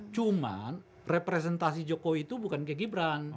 cuma representasi jokowi itu bukan ke gibran